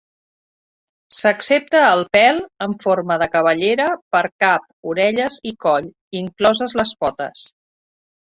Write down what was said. S'accepta el pèl en forma de cabellera per cap, orelles i coll, incloses les potes.